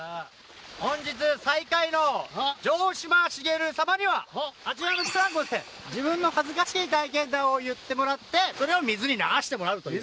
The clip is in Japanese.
本日最下位の城島茂様にはあちらのブランコで自分の恥ずかしい体験談を言ってもらってそれを水に流してもらうという。